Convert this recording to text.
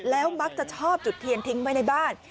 แล้วมักจะชอบจุดเทียนทิ้งไว้ในบ้าน